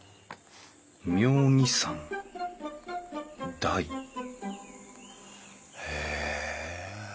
「妙義山」「大」へえ。